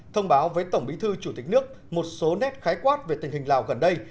thông báo với tổng bí thư chủ tịch nước một số nét khái quát về tình hình lào gần đây